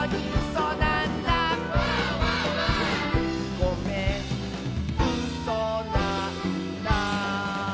「ごめんうそなんだ」